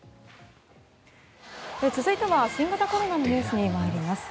続いては新型コロナのニュースに参ります。